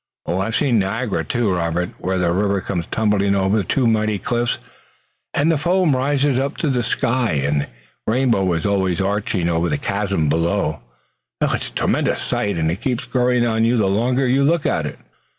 I've seen Niagara, too, Robert, where the river comes tumbling over two mighty cliffs, and the foam rises up to the sky, and the rainbow is always arching over the chasm below. It's a tremendous sight and it keeps growing on you the longer you look at it.